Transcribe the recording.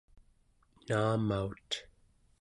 naamaut